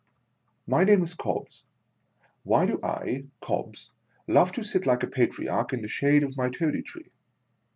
My name is Cobbs. Why do I, Cobbs, love to sit like a Patriarch, in the shade of my Toady Tree